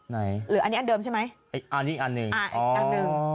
ไหนอันนี้อันเดิมใช่ไหมอันนึงอ่าอีกอันนึง